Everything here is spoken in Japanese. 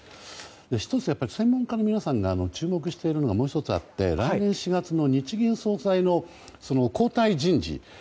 １つ、専門家の皆さんが注目しているのはもう１つあって来年４月の日銀総裁の交代人事。